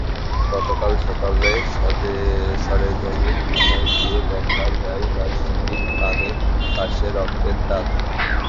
গতকাল সকালে সরেজমিন থানায় গিয়ে দেখা যায়, লাশটির কানের পাশে রক্তের দাগ।